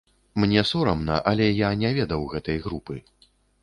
Мне сорамна, але я не ведаў гэтай групы.